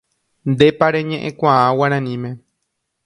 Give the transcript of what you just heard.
Ndépa reñe'ẽkuaa guaraníme.